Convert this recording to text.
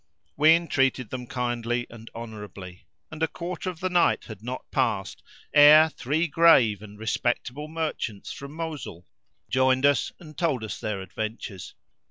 We entreated them kindly and honourably and a quarter of the night had not passed ere three grave and respectable merchants from Mosul joined us and told us their adventures.